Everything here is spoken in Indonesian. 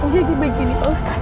jadi begini pak ustadz